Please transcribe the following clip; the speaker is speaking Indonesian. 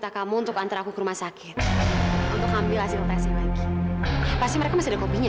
sampai jumpa di video selanjutnya